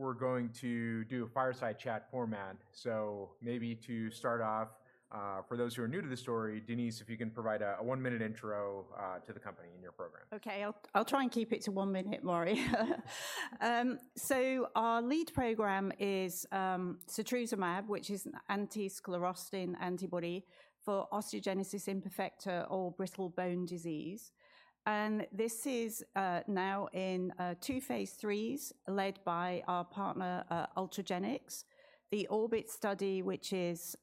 We're going to do a fireside chat format. So maybe to start off, for those who are new to the story, Denise, if you can provide a one-minute intro to the company and your program. Okay, I'll try and keep it to one minute, Maury. So our lead program is Setrusumab, which is an anti-sclerostin antibody for osteogenesis imperfecta or brittle bone disease. And this is now in two phase IIIs led by our partner, Ultragenyx, the ORBIT study, which is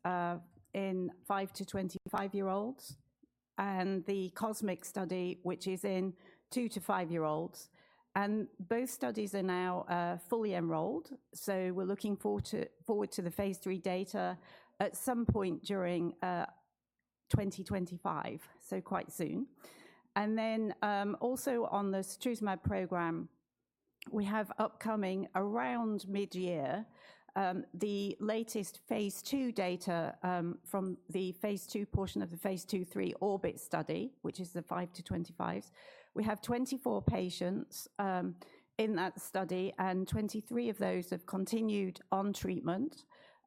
in five to 25 year-olds, and the COSMIC study, which is in two to five year-olds. And both studies are now fully enrolled. So we're looking forward to the phase III data at some point during 2025, so quite soon. And then also on the Setrusumab program, we have upcoming around mid-year the latest phase II data from the phase II portion of the phase II/III ORBIT study, which is the five to 25s. We have 24 patients in that study, and 23 of those have continued on treatment.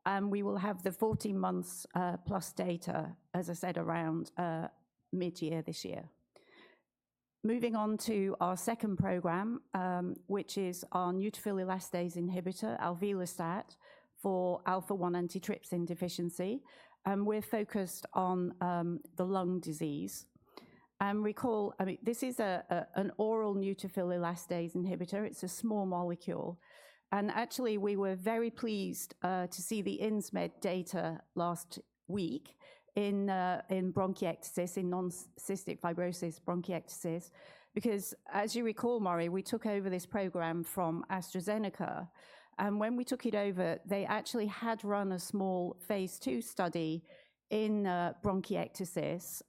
And we will have the 14+ months data, as I said, around mid-year this year. Moving on to our second program, which is our neutrophil elastase inhibitor, Alvelestat, for Alpha-1 antitrypsin deficiency. We're focused on the lung disease. Recall, this is an oral neutrophil elastase inhibitor. It's a small molecule. And actually, we were very pleased to see the Insmed data last week in bronchiectasis, in non-cystic fibrosis bronchiectasis, because as you recall, Mereo, we took over this program from AstraZeneca. And when we took it over, they actually had run a small phase II study in bronchiectasis.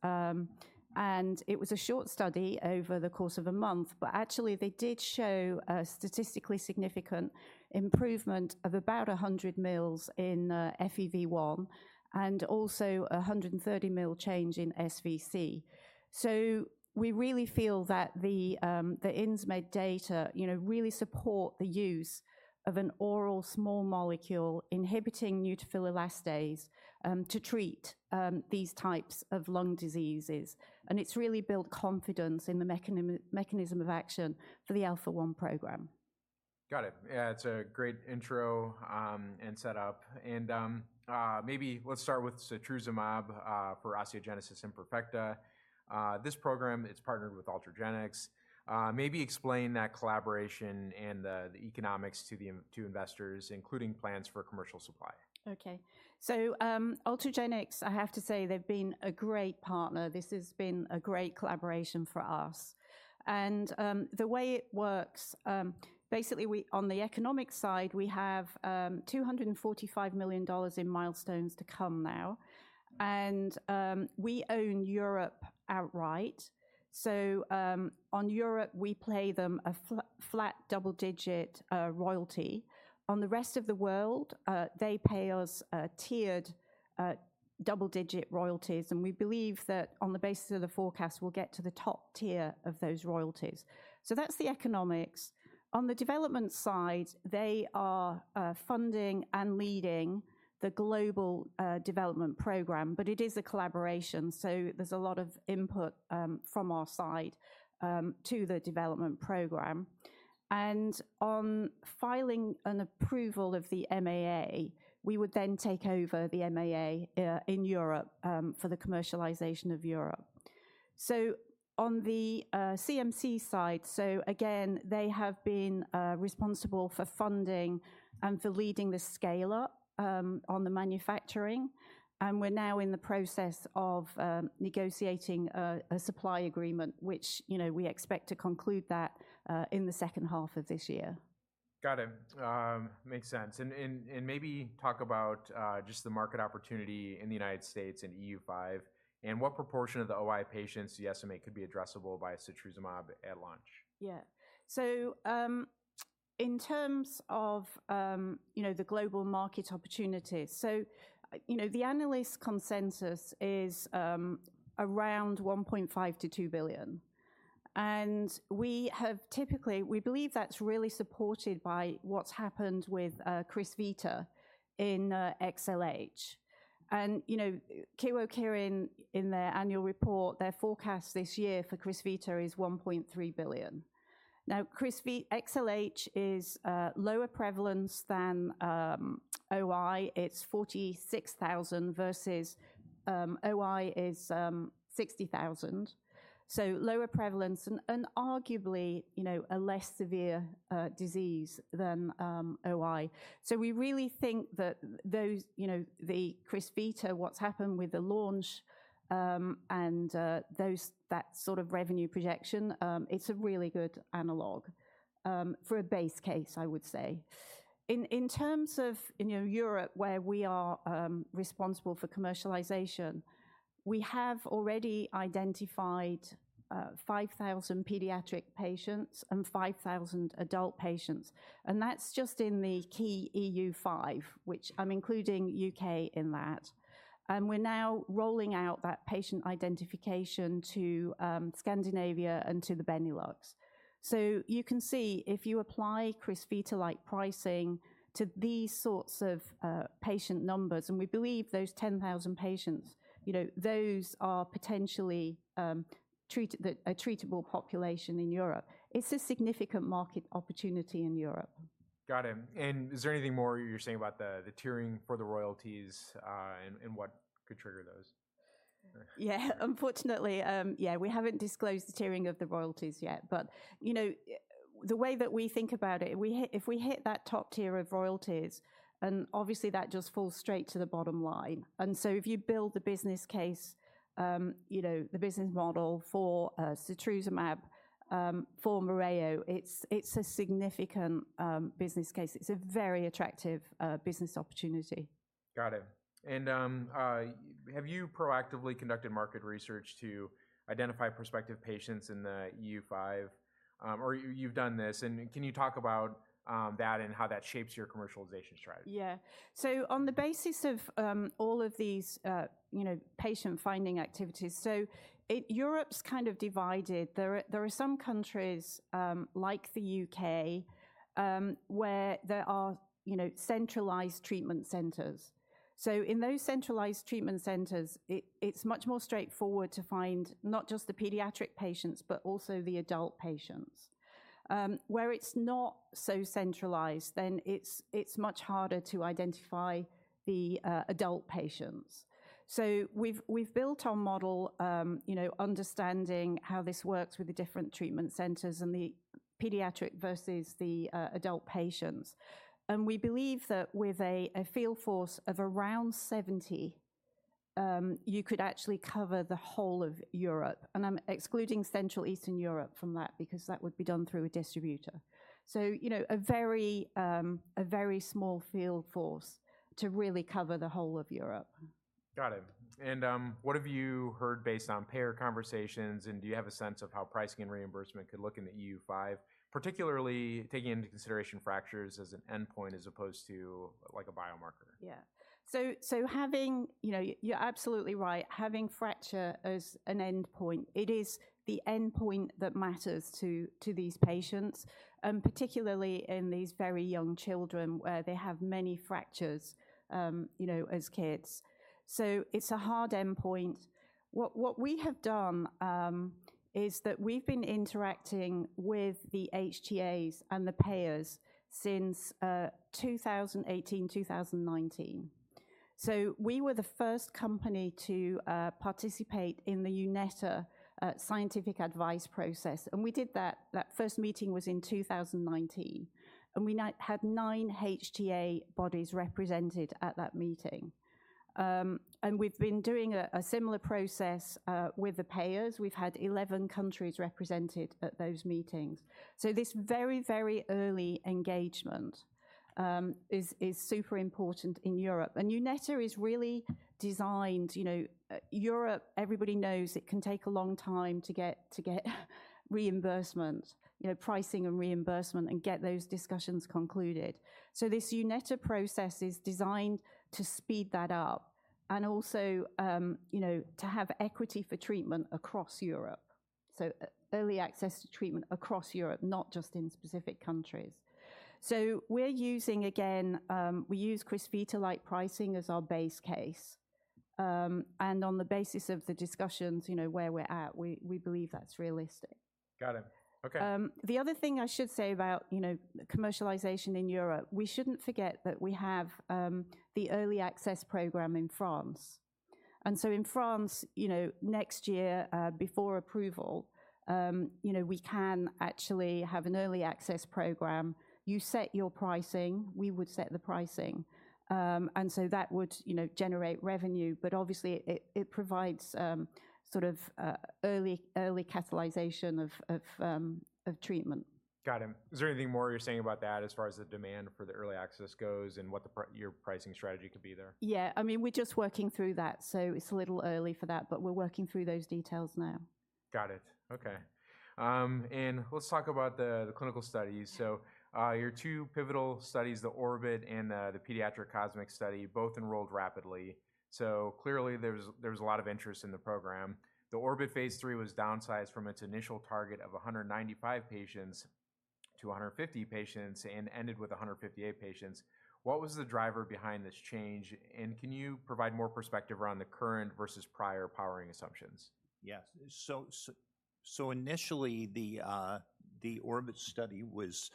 It was a short study over the course of a month, but actually they did show a statistically significant improvement of about 100 mL in FEV1 and also a 130 mL change in SVC. So we really feel that the Insmed data really support the use of an oral small molecule inhibiting neutrophil elastase to treat these types of lung diseases. It's really built confidence in the mechanism of action for the Alpha-1 program. Got it. Yeah, it's a great intro and setup. Maybe let's start with Setrusumab for osteogenesis imperfecta. This program is partnered with Ultragenyx. Maybe explain that collaboration and the economics to investors, including plans for commercial supply. Okay. So Ultragenyx, I have to say, they've been a great partner. This has been a great collaboration for us. And the way it works, basically on the economic side, we have $245 million in milestones to come now. And we own Europe outright. So on Europe, we pay them a flat double-digit royalty. On the rest of the world, they pay us tiered double-digit royalties. And we believe that on the basis of the forecast, we'll get to the top tier of those royalties. So that's the economics. On the development side, they are funding and leading the global development program, but it is a collaboration. So there's a lot of input from our side to the development program. And on filing an approval of the MAA, we would then take over the MAA in Europe for the commercialization of Europe. On the CMC side, so again, they have been responsible for funding and for leading the scale-up on the manufacturing. We're now in the process of negotiating a supply agreement, which we expect to conclude that in the second half of this year. Got it. Makes sense. Maybe talk about just the market opportunity in the United States and EU5 and what proportion of the OI patients you estimate could be addressable by Setrusumab at launch. Yeah. So in terms of the global market opportunities, so the analyst consensus is around $1.5 billion-$2 billion. And we have typically, we believe that's really supported by what's happened with Crysvita in XLH. And Kyowa Kirin, in their annual report, their forecast this year for Crysvita is $1.3 billion. Now, XLH is lower prevalence than OI. It's 46,000 versus OI is 60,000. So lower prevalence and arguably a less severe disease than OI. So we really think that the Crysvita, what's happened with the launch and that sort of revenue projection, it's a really good analog for a base case, I would say. In terms of Europe, where we are responsible for commercialization, we have already identified 5,000 pediatric patients and 5,000 adult patients. And that's just in the key EU5, which I'm including UK in that. We're now rolling out that patient identification to Scandinavia and to the Benelux. You can see if you apply Crysvita-like pricing to these sorts of patient numbers, and we believe those 10,000 patients, those are potentially a treatable population in Europe. It's a significant market opportunity in Europe. Got it. Is there anything more you're saying about the tiering for the royalties and what could trigger those? Yeah, unfortunately, yeah, we haven't disclosed the tiering of the royalties yet. But the way that we think about it, if we hit that top tier of royalties, and obviously that just falls straight to the bottom line. And so if you build the business case, the business model for Setrusumab for Mereo, it's a significant business case. It's a very attractive business opportunity. Got it. Have you proactively conducted market research to identify prospective patients in the EU5? Or you've done this? Can you talk about that and how that shapes your commercialization strategy? Yeah. So on the basis of all of these patient finding activities, so Europe's kind of divided. There are some countries like the U.K. where there are centralized treatment centers. So in those centralized treatment centers, it's much more straightforward to find not just the pediatric patients, but also the adult patients. Where it's not so centralized, then it's much harder to identify the adult patients. So we've built our model understanding how this works with the different treatment centers and the pediatric versus the adult patients. And we believe that with a field force of around 70, you could actually cover the whole of Europe. And I'm excluding Central Eastern Europe from that because that would be done through a distributor. So a very small field force to really cover the whole of Europe. Got it. And what have you heard based on payer conversations? And do you have a sense of how pricing and reimbursement could look in the EU5, particularly taking into consideration fractures as an endpoint as opposed to like a biomarker? Yeah. So you're absolutely right. Having fracture as an endpoint, it is the endpoint that matters to these patients, particularly in these very young children where they have many fractures as kids. So it's a hard endpoint. What we have done is that we've been interacting with the HTAs and the payers since 2018, 2019. So we were the first company to participate in the EUnetHTa scientific advice process. And we did that. That first meeting was in 2019. And we had nine HTA bodies represented at that meeting. And we've been doing a similar process with the payers. We've had 11 countries represented at those meetings. So this very, very early engagement is super important in Europe. And EUnetHTA is really designed Europe, everybody knows it can take a long time to get reimbursement, pricing and reimbursement, and get those discussions concluded. So this EUnetHTA process is designed to speed that up and also to have equity for treatment across Europe. So early access to treatment across Europe, not just in specific countries. So we're using, again, we use Crysvita-like pricing as our base case. And on the basis of the discussions where we're at, we believe that's realistic. Got it. Okay. The other thing I should say about commercialization in Europe, we shouldn't forget that we have the early access program in France. And so in France, next year before approval, we can actually have an early access program. You set your pricing, we would set the pricing. And so that would generate revenue, but obviously it provides sort of early catalyzation of treatment. Got it. Is there anything more you're saying about that as far as the demand for the early access goes and what your pricing strategy could be there? Yeah. I mean, we're just working through that. It's a little early for that, but we're working through those details now. Got it. Okay. And let's talk about the clinical studies. So your two pivotal studies, the ORBIT and the pediatric COSMIC study, both enrolled rapidly. So clearly there was a lot of interest in the program. The ORBIT phase III was downsized from its initial target of 195 patients to 150 patients and ended with 158 patients. What was the driver behind this change? And can you provide more perspective around the current versus prior powering assumptions? Yes. So initially, the ORBIT study was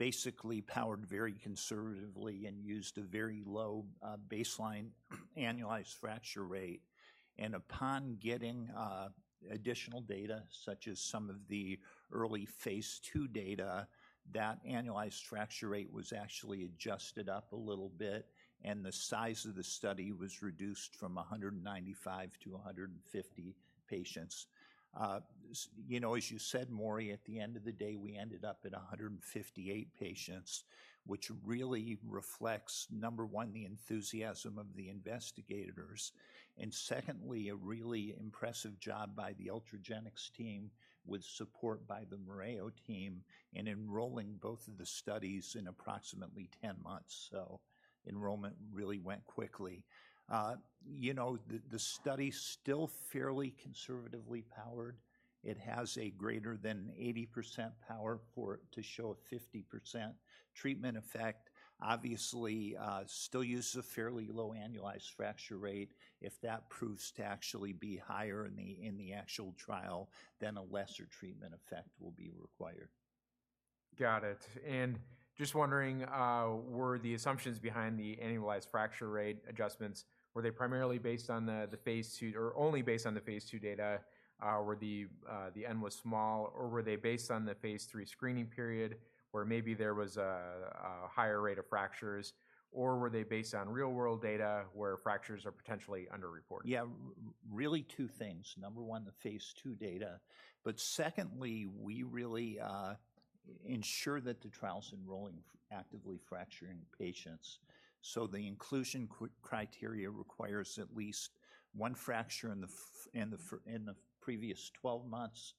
basically powered very conservatively and used a very low baseline annualized fracture rate. And upon getting additional data such as some of the early phase II data, that annualized fracture rate was actually adjusted up a little bit. And the size of the study was reduced from 195 to 150 patients. As you said, Maury, at the end of the day, we ended up at 158 patients, which really reflects, number one, the enthusiasm of the investigators. And secondly, a really impressive job by the Ultragenyx team with support by the Mereo team in enrolling both of the studies in approximately 10 months. So enrollment really went quickly. The study is still fairly conservatively powered. It has a greater than 80% power to show a 50% treatment effect. Obviously, still uses a fairly low annualized fracture rate. If that proves to actually be higher in the actual trial, then a lesser treatment effect will be required. Got it. And just wondering, were the assumptions behind the annualized fracture rate adjustments, were they primarily based on the phase II or only based on the phase II data? Were the n was small? Or were they based on the phase III screening period where maybe there was a higher rate of fractures? Or were they based on real-world data where fractures are potentially underreported? Yeah, really two things. Number one, the phase II data. But secondly, we really ensure that the trial's enrolling actively fracturing patients. So the inclusion criteria requires at least one fracture in the previous 12 months,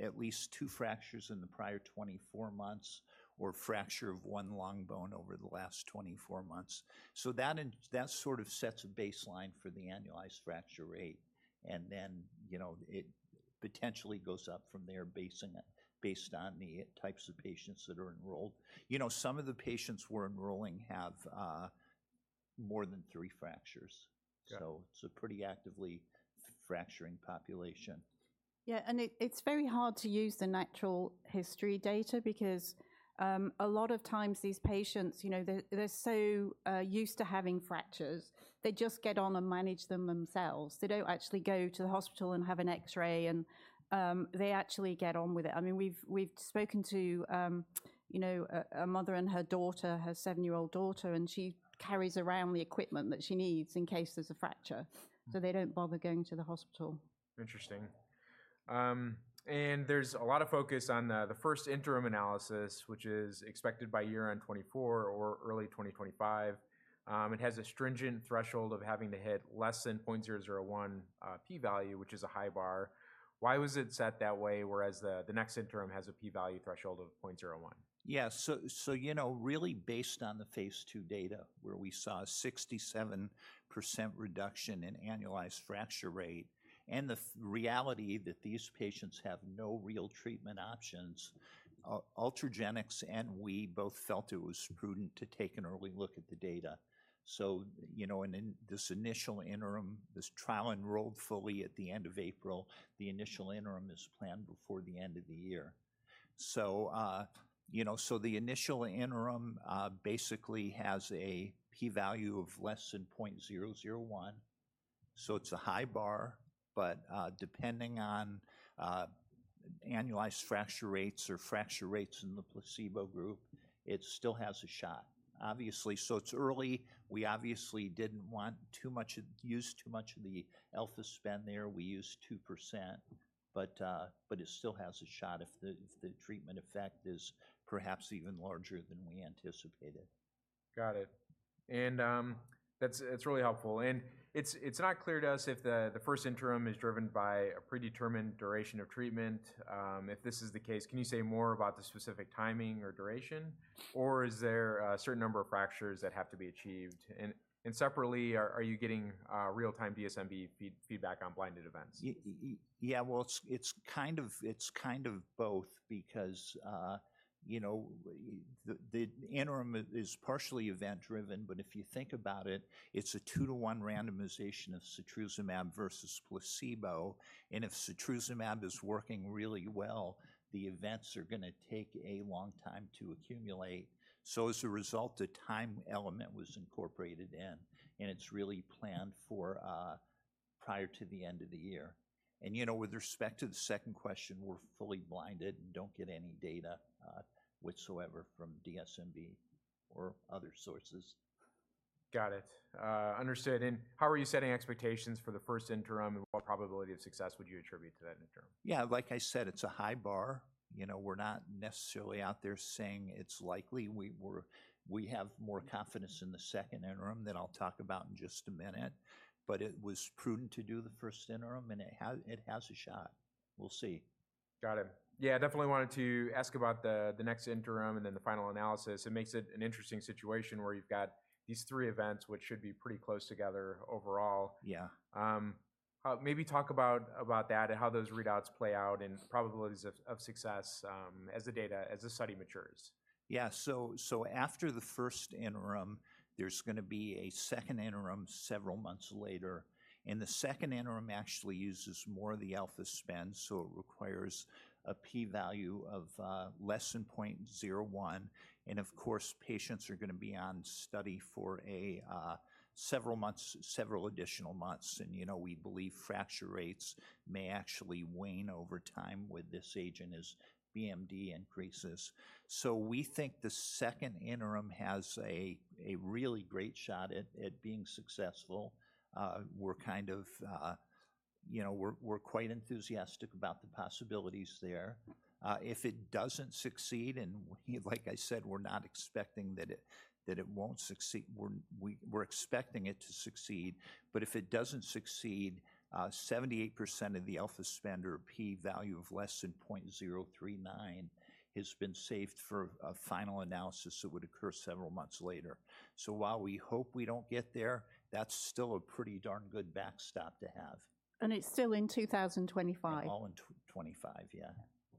at least two fractures in the prior 24 months, or fracture of one long bone over the last 24 months. So that sort of sets a baseline for the annualized fracture rate. And then it potentially goes up from there based on the types of patients that are enrolled. Some of the patients we're enrolling have more than three fractures. So it's a pretty actively fracturing population. Yeah. It's very hard to use the natural history data because a lot of times these patients, they're so used to having fractures, they just get on and manage them themselves. They don't actually go to the hospital and have an X-ray. They actually get on with it. I mean, we've spoken to a mother and her daughter, her seven year-old daughter, and she carries around the equipment that she needs in case there's a fracture. They don't bother going to the hospital. Interesting. There's a lot of focus on the first interim analysis, which is expected by year-end 2024 or early 2025. It has a stringent threshold of having to hit less than 0.001 p-value, which is a high bar. Why was it set that way whereas the next interim has a p-value threshold of 0.01? Yeah. So really based on the phase II data where we saw a 67% reduction in annualized fracture rate and the reality that these patients have no real treatment options, Ultragenyx and we both felt it was prudent to take an early look at the data. So in this initial interim, this trial enrolled fully at the end of April. The initial interim is planned before the end of the year. So the initial interim basically has a p-value of less than 0.001. So it's a high bar, but depending on annualized fracture rates or fracture rates in the placebo group, it still has a shot. Obviously, so it's early. We obviously didn't want to use too much of the alpha spend there. We used 2%, but it still has a shot if the treatment effect is perhaps even larger than we anticipated. Got it. That's really helpful. It's not clear to us if the first interim is driven by a predetermined duration of treatment. If this is the case, can you say more about the specific timing or duration? Or is there a certain number of fractures that have to be achieved? Separately, are you getting real-time DSMB feedback on blinded events? Yeah, well, it's kind of both because the interim is partially event-driven, but if you think about it, it's a two to one randomization of Setrusumab versus placebo. And if Setrusumab is working really well, the events are going to take a long time to accumulate. So as a result, the time element was incorporated in. And it's really planned for prior to the end of the year. And with respect to the second question, we're fully blinded and don't get any data whatsoever from DSMB or other sources. Got it. Understood. And how are you setting expectations for the first interim, and what probability of success would you attribute to that interim? Yeah, like I said, it's a high bar. We're not necessarily out there saying it's likely. We have more confidence in the second interim that I'll talk about in just a minute. But it was prudent to do the first interim and it has a shot. We'll see. Got it. Yeah, definitely wanted to ask about the next interim and then the final analysis. It makes it an interesting situation where you've got these three events, which should be pretty close together overall. Yeah. Maybe talk about that and how those readouts play out and probabilities of success as the study matures. Yeah. So after the first interim, there's going to be a second interim several months later. And the second interim actually uses more of the alpha spend. So it requires a p-value of less than 0.01. And of course, patients are going to be on study for several additional months. And we believe fracture rates may actually wane over time with this agent as BMD increases. So we think the second interim has a really great shot at being successful. We're kind of quite enthusiastic about the possibilities there. If it doesn't succeed, and like I said, we're not expecting that it won't succeed. We're expecting it to succeed. But if it doesn't succeed, 78% of the alpha spend or p-value of less than 0.039 has been saved for a final analysis that would occur several months later. While we hope we don't get there, that's still a pretty darn good backstop to have. It's still in 2025. All in 2025, yeah.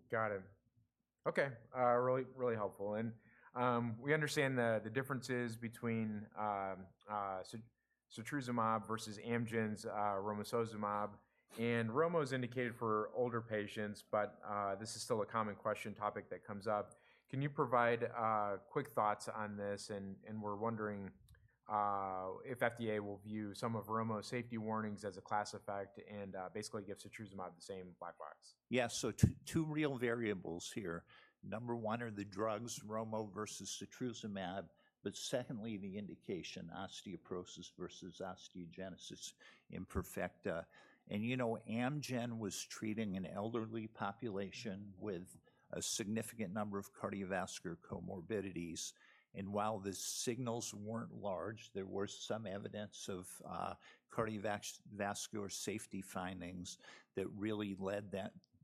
Got it. Okay. Really helpful. And we understand the differences between Setrusumab versus Amgen's romosozumab. And Romo is indicated for older patients, but this is still a common question topic that comes up. Can you provide quick thoughts on this? And we're wondering if FDA will view some of Romo's safety warnings as a class effect and basically give Setrusumab the same black box. Yeah. So two real variables here. Number one are the drugs, Romo versus Setrusumab, but secondly, the indication, osteoporosis versus osteogenesis imperfecta. And Amgen was treating an elderly population with a significant number of cardiovascular comorbidities. And while the signals weren't large, there were some evidence of cardiovascular safety findings that really led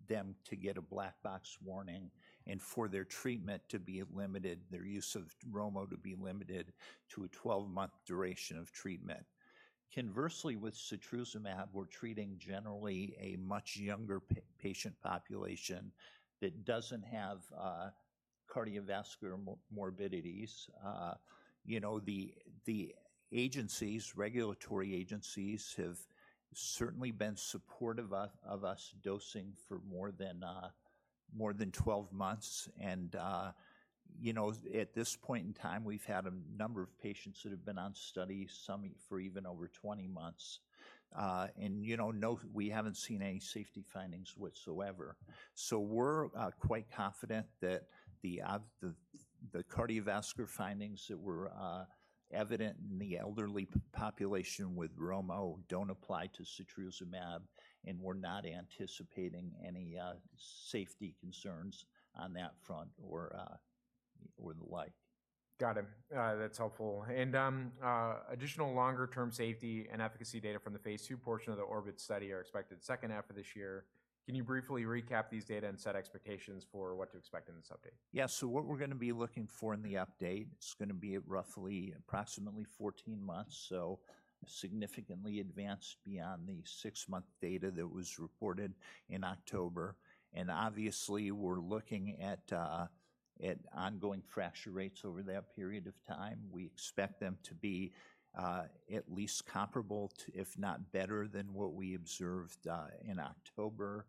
them to get a black box warning and for their treatment to be limited, their use of Romo to be limited to a 12-month duration of treatment. Conversely, with Setrusumab, we're treating generally a much younger patient population that doesn't have cardiovascular morbidities. The regulatory agencies have certainly been supportive of us dosing for more than 12 months. And at this point in time, we've had a number of patients that have been on study, some for even over 20 months. And we haven't seen any safety findings whatsoever. So we're quite confident that the cardiovascular findings that were evident in the elderly population with Romo don't apply to Setrusumab. And we're not anticipating any safety concerns on that front or the like. Got it. That's helpful. Additional longer-term safety and efficacy data from the phase II portion of the ORBIT study are expected second half of this year. Can you briefly recap these data and set expectations for what to expect in this update? Yeah. So what we're going to be looking for in the update, it's going to be roughly approximately 14 months. So significantly advanced beyond the six-month data that was reported in October. And obviously, we're looking at ongoing fracture rates over that period of time. We expect them to be at least comparable, if not better than what we observed in October.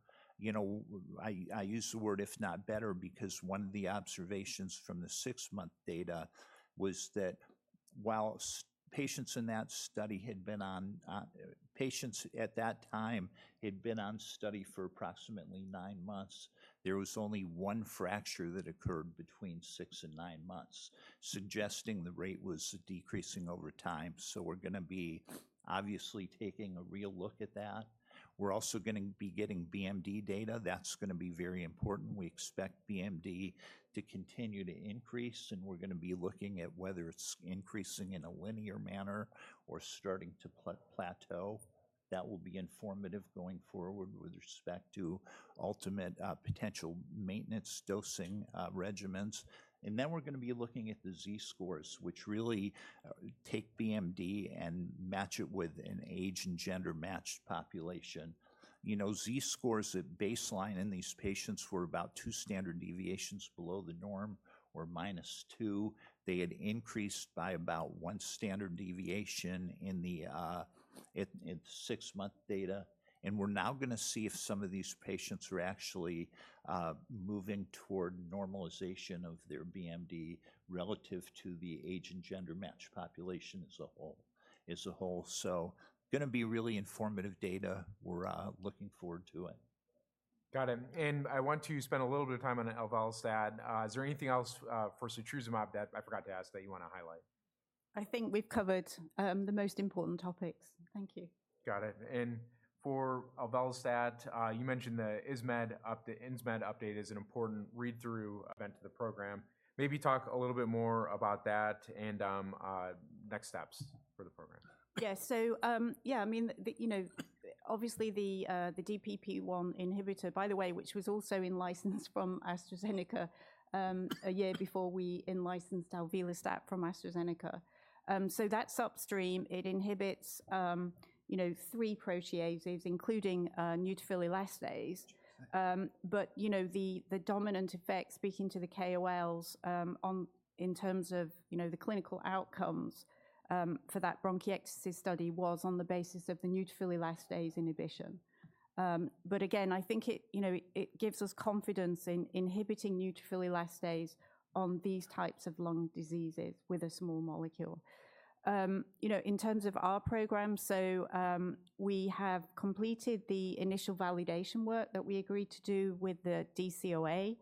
I use the word, if not better, because one of the observations from the six-month data was that while patients in that study had been on study for approximately nine months, there was only one fracture that occurred between six and nine months, suggesting the rate was decreasing over time. So we're going to be obviously taking a real look at that. We're also going to be getting BMD data. That's going to be very important. We expect BMD to continue to increase. We're going to be looking at whether it's increasing in a linear manner or starting to plateau. That will be informative going forward with respect to ultimate potential maintenance dosing regimens. We're going to be looking at the Z scores, which really take BMD and match it with an age- and gender-matched population. Z scores at baseline in these patients were about two standard deviations below the norm or minus two. They had increased by about one standard deviation in the six-month data. We're now going to see if some of these patients are actually moving toward normalization of their BMD relative to the age- and gender-matched population as a whole. So going to be really informative data. We're looking forward to it. Got it. And I want to spend a little bit of time on Alvelestat. Is there anything else for Setrusumab that I forgot to ask that you want to highlight? I think we've covered the most important topics. Thank you. Got it. And for Alvelestat, you mentioned the Insmed update is an important read-through event to the program. Maybe talk a little bit more about that and next steps for the program. Yeah. So yeah, I mean, obviously the DPP-1 inhibitor, by the way, which was also in-licensed from AstraZeneca a year before we in-licensed Alvelestat from AstraZeneca. So that's upstream. It inhibits three proteases, including neutrophil elastase. But the dominant effect, speaking to the KOLs in terms of the clinical outcomes for that bronchiectasis study, was on the basis of the neutrophil elastase inhibition. But again, I think it gives us confidence in inhibiting neutrophil elastase on these types of lung diseases with a small molecule. In terms of our program, so we have completed the initial validation work that we agreed to do with the EMA.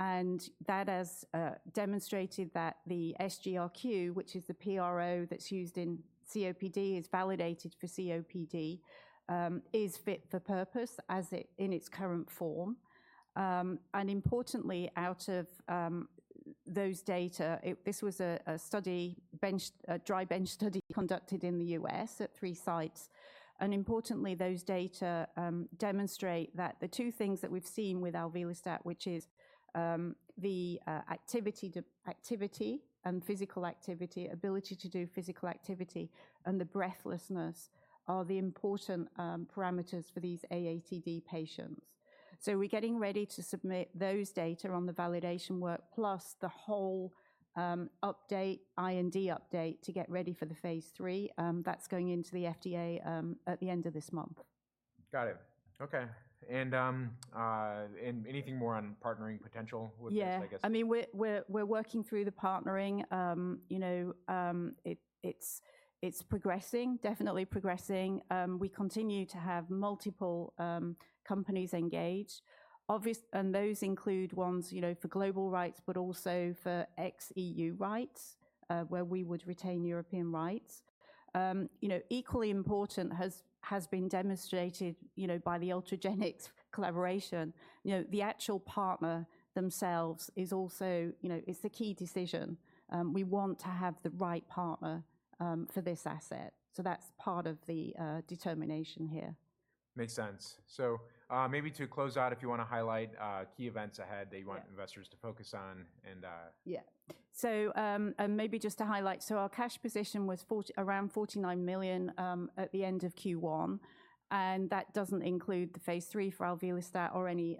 And that has demonstrated that the SGRQ, which is the PRO that's used in COPD, is validated for COPD, is fit for purpose in its current form. Importantly, out of those data, this was a dry bench study conducted in the U.S. at three sites. Importantly, those data demonstrate that the two things that we've seen with Alvelestat, which is the activity and physical activity, ability to do physical activity, and the breathlessness are the important parameters for these AATD patients. We're getting ready to submit those data on the validation work, plus the whole update, IND update to get ready for the phase III. That's going into the FDA at the end of this month. Got it. Okay. Anything more on partnering potential with this, I guess? Yeah. I mean, we're working through the partnering. It's progressing, definitely progressing. We continue to have multiple companies engaged. Those include ones for global rights, but also for ex-EU rights, where we would retain European rights. Equally important has been demonstrated by the Ultragenyx collaboration. The actual partner themselves is also the key decision. We want to have the right partner for this asset. That's part of the determination here. Makes sense. So maybe to close out, if you want to highlight key events ahead that you want investors to focus on and. Yeah. So maybe just to highlight, so our cash position was around $49 million at the end of Q1. And that doesn't include the phase III for Alvelestat or any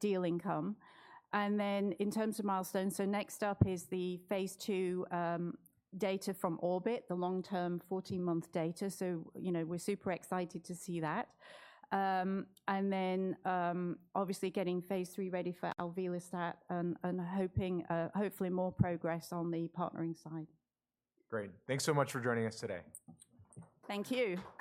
deal income. And then in terms of milestones, so next up is the phase II data from ORBIT, the long-term 14-month data. So we're super excited to see that. And then obviously getting phase III ready for Alvelestat and hopefully more progress on the partnering side. Great. Thanks so much for joining us today. Thank you.